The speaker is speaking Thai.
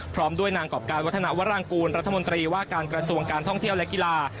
พร้อมด้วยนางกรอบการวัฒนาวรางกูลรัฐมนตรีว่าการกระทรวงการท่องเที่ยวและกีฬา